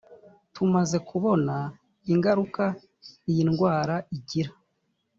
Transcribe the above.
tumaze kubona ingaruka iyi ndwara igira